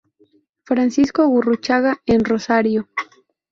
Francisco Gurruchaga en Rosario.